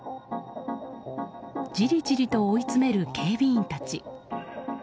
じりじりと追いつめる警備員たち。